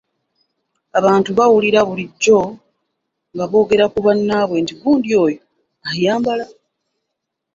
Abantu bawulirwa bulijjo nga boogera ku bannaabwe nti, “Gundi oyo ayambala!